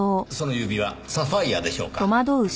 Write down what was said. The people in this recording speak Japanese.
その指輪サファイアでしょうか？